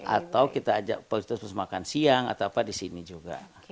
atau kita ajak terus makan siang atau apa di sini juga